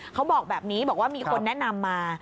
เขาบอกแบบนี้บอกว่ามีคนแนะนำมา